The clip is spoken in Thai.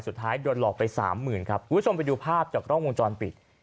สุดท้ายโดนหลอกไปสามหมื่นครับคุณผู้ชมไปดูภาพจากกล้องวงจรปิด